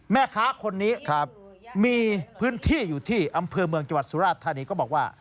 แม่ค้าคนนี้มีพื้นที่อยู่ที่อำเภอเมืองจังหวัดสุราชธานีก็บอกว่า